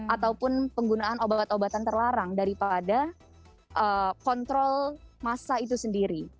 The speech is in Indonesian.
ataupun penggunaan obat obatan terlarang daripada kontrol masa itu sendiri